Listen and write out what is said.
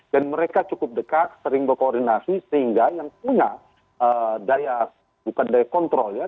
dan mereka cukup dekat sering berkoordinasi sehingga yang punya daya bukan daya kontrol ya